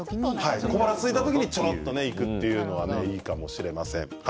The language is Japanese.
小腹がすいた時にちょっといくのがいいかもしれません。